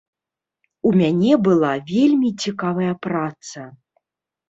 У мяне была вельмі цікавая праца.